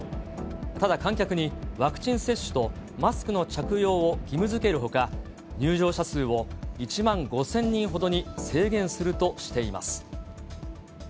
ただ観客にワクチン接種とマスクの着用を義務づけるほか、入場者数を１万５０００人ほどに制限するとしています。